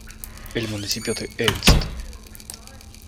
El municipio de Ste.